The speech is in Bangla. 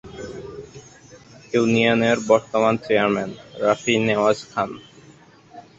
ইউনিয়নের বর্তমান চেয়ারম্যান রফি নেওয়াজ খান।